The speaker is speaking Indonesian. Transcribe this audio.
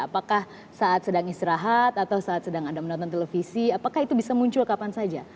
apakah saat sedang istirahat atau saat sedang anda menonton televisi apakah itu bisa muncul kapan saja